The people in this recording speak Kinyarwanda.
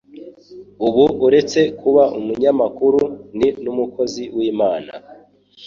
ubu uretse kuba umunyamakuru ni n'umukozi w'Imana